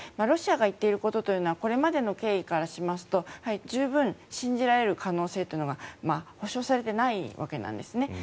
ロシアが言っていることというのはこれまでの経緯からしますと十分信じられる可能性というのが保証されてないわけなんですね。